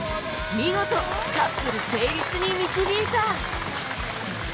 見事カップル成立に導いた